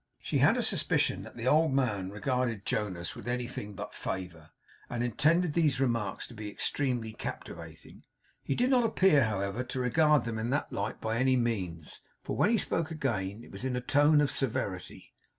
She had a suspicion that the old man regarded Jonas with anything but favour, and intended these remarks to be extremely captivating. He did not appear, however, to regard them in that light by any means; for when he spoke again, it was in a tone of severity.